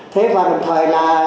thế và đồng thời là